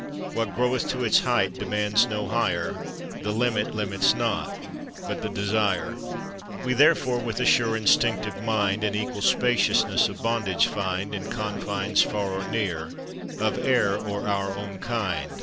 What groweth to its height demands no higher; The limit limits not, but the desire. We, therefore, with a sure instinctive mind, An equal spaciousness of bondage find In confines far or near, of air or our own kind.